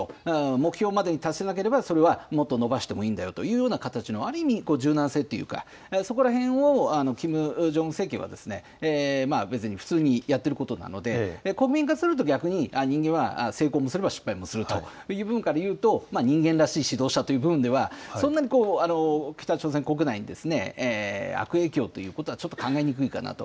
目標までに達しなければ、それはもっと延ばしてもいいんだよと、形の、ある意味、柔軟性というか、そこらへんをキム・ジョンウン政権は、別に普通にやってることなので、国民からすると、逆に人間は成功もすれば失敗もするという部分からいうと、人間らしい指導者という部分では、そんな北朝鮮国内に悪影響ということは、ちょっと考えにくいかなと。